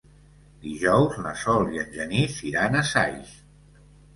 Dijous na Sol i en Genís iran a Saix.